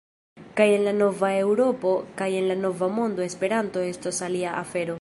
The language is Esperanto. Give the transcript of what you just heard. Kaj en la nova Eŭropo kaj en la nova mondo Esperanto estos alia afero.